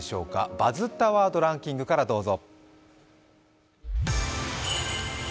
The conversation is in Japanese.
「バズったワードランキング」からどうぞ。